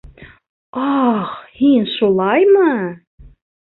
Ах, һин шулаймы?